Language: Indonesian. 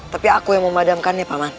tapi aku yang memadamkannya pak man